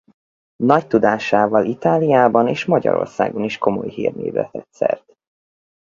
Nagy tudásával Itáliában és Magyarországon is komoly hírnévre tett szert.